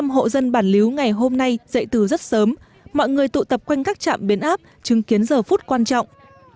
sáu mươi năm hộ dân bàn liếu ngày hôm nay dậy từ rất sớm mọi người tụ tập quanh các trạm biến áp chứng kiến giờ phút quan trọng